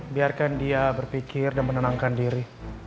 biarkan dia berpikir dan menenangkan diri